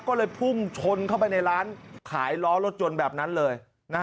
ก็เลยพุ่งชนเข้าไปในร้านขายล้อรถยนต์แบบนั้นเลย